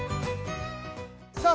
さあ